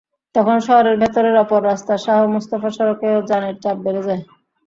তখন শহরের ভেতরের অপর রাস্তা শাহ মোস্তফা সড়কেও যানের চাপ বেড়ে যায়।